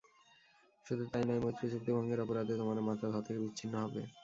শুধু তাই নয়, মৈত্রীচুক্তি ভঙ্গের অপরাধে তোমাদের মাথা ধড় থেকে বিচ্ছিন্ন হবে।